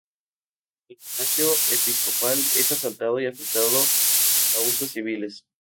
El palacio episcopal es asaltado y afectado a usos civiles.